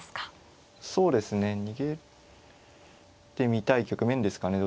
そうですね逃げてみたい局面ですかね